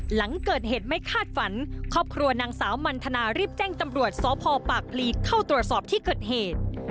หลังเกิดเหตุไม่คาดฝันครอบครัวนางสาวมันทนารีบแจ้งตำรวจสพปากพลีเข้าตรวจสอบที่เกิดเหตุ